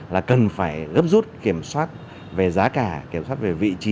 là cần phải gấp rút kiểm soát về giá cả kiểm soát về vị trí